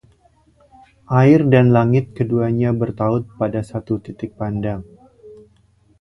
air dan langit keduanya bertaut pada satu titik pandang